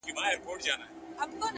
لکه زما زړه- يو داسې بله هم سته-